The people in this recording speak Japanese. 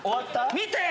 見て。